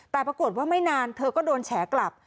แต่ปรากฏว่าไม่นานเธอก็โดนแฉกลับ